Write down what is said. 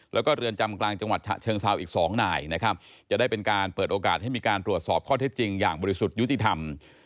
แล้วก็เรือนจำกลางจังหวัดฉะเชิงเซาอีกสองนายนะครับจะได้เป็นการเปิดโอกาสให้มีการตรวจสอบข้อเท็จจริงอย่างบริสุทธิ์ยุติธรรม